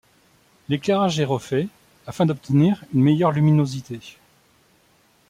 L'éclairage est refait afin d'obtenir une meilleure luminosité.